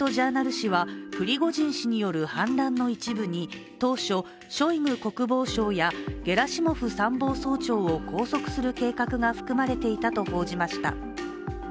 紙はプリゴジン氏による反乱の一部に当初、ショイグ国防相やゲラシモフ参謀総長を拘束する計画が含まれていたと報じました。